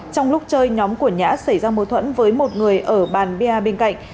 trong lúc chơi nhóm của nhã xảy ra mâu thuẫn với một người ở bàn bia bên cạnh